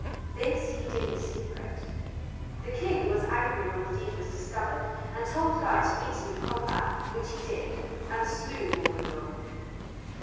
This he did in secret. The King was angry when the deed was discovered and told Guy to meet him in combat, which he did, and slew Morgadour.